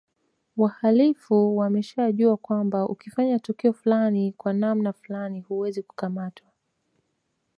Wahalifu wameshajua kwamba ukifanya tukio fulani kwa namna fulani huwezi kukamatwa